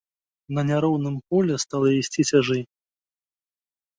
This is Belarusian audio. На няроўным полі стала ісці цяжэй.